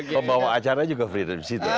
pembawa acara juga freedom institute